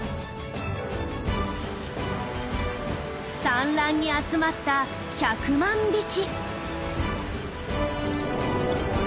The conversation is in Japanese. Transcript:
産卵に集まった１００万匹。